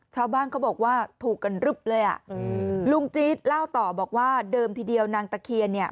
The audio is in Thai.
ชาวบ้านเขาบอกว่าถูกกันรึบเลยอ่ะอืมลุงจี๊ดเล่าต่อบอกว่าเดิมทีเดียวนางตะเคียนเนี่ย